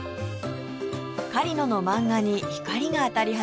狩野の漫画に光が当たり始めます